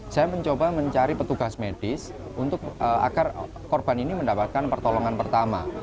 saya mencoba mencari petugas medis agar korban ini mendapatkan pertolongan pertama